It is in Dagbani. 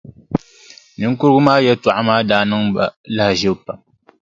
Niŋkurugu maa yɛltɔɣa maa daa niŋ ba lahaʒibu pam.